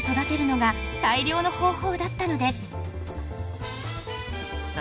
最良の方法だったのです磴